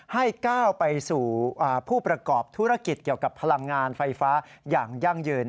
ให้ก้าวไปสู่ผู้ประกอบธุรกิจเกี่ยวกับพลังงานไฟฟ้าอย่างยั่งยืน